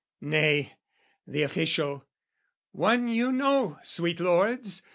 Nay, the official, one you know, sweet lords!